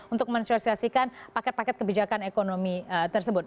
untuk mensosiasikan paket paket kebijakan ekonomi tersebut